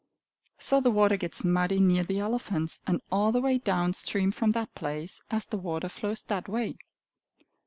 So the water gets muddy near the elephants and all the way down stream from that place, as the water flows that way.